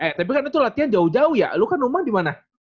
eh tapi kan itu latihan jauh jauh ya lu kan rumah dimana